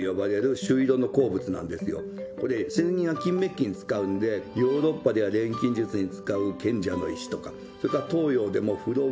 これ水銀や金メッキに使うんでヨーロッパでは錬金術に使う「賢者の石」とかそれから。